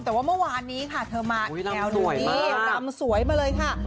แต่ว่าเมื่อวานนี้ค่ะเธอมาแถวนี้รำสวยมาเลยค่ะ